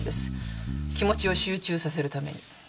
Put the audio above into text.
気持ちを集中させるために。